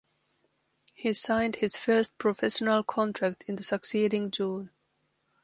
He signed his first professional contract in the succeeding June.